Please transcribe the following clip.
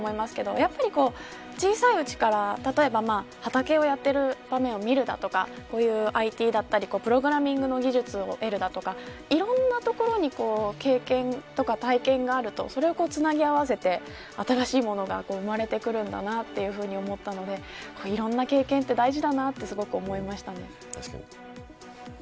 やっぱり小さいうちから畑をやっている場面を見るだとかＩＴだったり、プログラミングの技術を得るだとかいろんなところに経験や体験があるとそれをつなぎ合わせて新しいものが生まれてくるんだなと思ったのでいろんな経験って大事だなってすごく思いました。